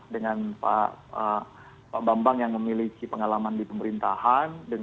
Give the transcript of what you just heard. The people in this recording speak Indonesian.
dengan pak bambang yang memiliki pengalaman di pemerintahan